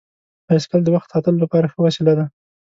بایسکل د وخت ساتلو لپاره ښه وسیله ده.